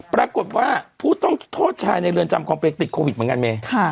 ปรากฏว่าผู้ต้องโทษชายในเรือนจำคองเพลงติดโควิดเหมือนกันเม